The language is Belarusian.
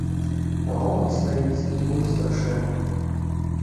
А гоман стаіць, тлум страшэнны.